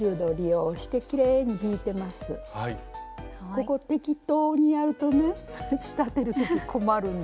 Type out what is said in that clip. ここ適当にやるとね仕立てる時困るんですよ。